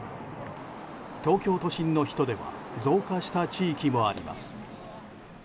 東京都心の人出は増加した地域もあります。